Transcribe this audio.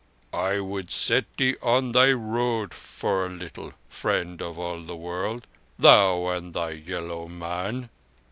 "I would set thee on thy road for a little, Friend of all the World, thou and thy yellow man."